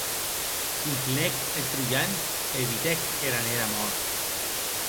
S’inclinèc eth troian e evitèc era nera mòrt.